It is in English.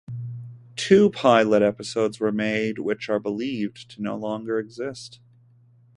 Two pilot episodes were made, which are believed to no longer exist.